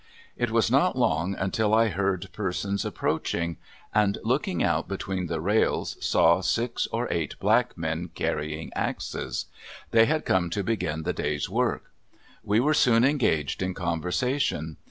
It was not long until I heard persons approaching, and looking out between the rails, saw six or eight black men carrying axes. They had come to begin the day's work. We were soon engaged in conversation.